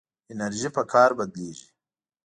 انرژي په کار بدلېږي.